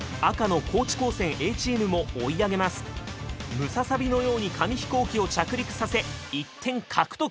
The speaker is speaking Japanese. ムササビのように紙飛行機を着陸させ１点獲得。